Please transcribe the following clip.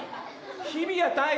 日比谷平。